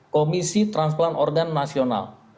komisi transplantasi organ nasional